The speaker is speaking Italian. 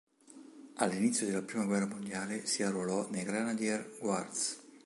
All'inizio della prima guerra mondiale, si arruolò nei Grenadier Guards.